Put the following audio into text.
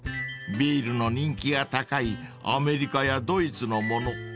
［ビールの人気が高いアメリカやドイツのもの